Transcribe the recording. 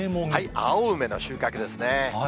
青梅の収穫ですね。